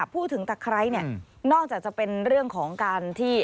พูดถึงตะไคร้นอกจากจะเป็นเรื่องของการที่